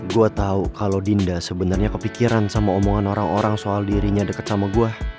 gue tahu kalau dinda sebenarnya kepikiran sama omongan orang orang soal dirinya deket sama gue